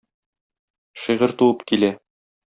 Шигырь туып килә...